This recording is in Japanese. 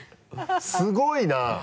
すごいな。